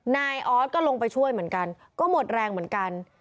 นายออสก็ลงไปช่วยเหมือนกันก็หมดแรงเหมือนกัน